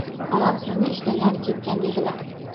Onam sizni ishlagani ketgan deydilar